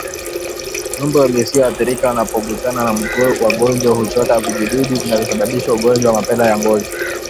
Ngombe wasioathirika wanapogusana na wagonjwa huchota vijidudu vinavyosababisha ugonjwa wa mapele ya ngozi